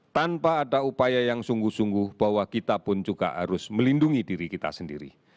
tanpa ada upaya yang sungguh sungguh bahwa kita pun juga harus melindungi diri kita sendiri